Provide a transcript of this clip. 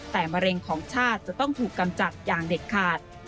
แต่มะเร็งของชาติจะต้องถูกกำจัดอย่างเด็ดขาด